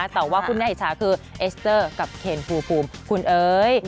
แต่ว่าคุณน่าอิจฉาคือเอสเตอร์กับเคนภูมิคุณเอ๋ย